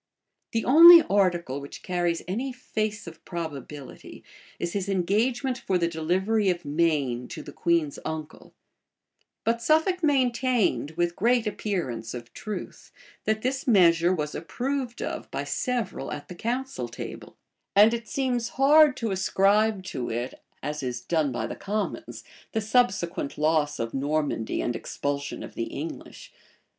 The only article which carries any face of probability, is his engagement for the delivery of Maine to the queen's uncle: but Suffolk maintained, with great appearance of truth, that this measure was approved of by several at the council table; [*] and it seems hard to ascribe to it, as is done by the commons, the subsequent loss of Normandy and expulsion of the English.